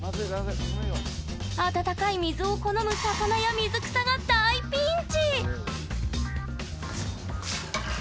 温かい水を好む魚や水草が大ピンチ！